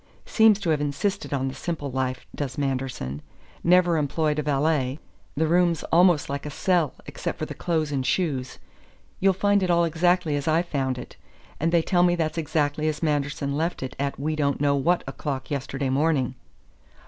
Seems to have insisted on the simple life, does Manderson. Never employed a valet. The room's almost like a cell, except for the clothes and shoes. You'll find it all exactly as I found it; and they tell me that's exactly as Manderson left it at we don't know what o'clock yesterday morning.